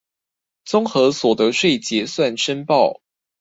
綜合所得稅結算申報